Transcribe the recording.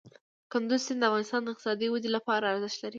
کندز سیند د افغانستان د اقتصادي ودې لپاره ارزښت لري.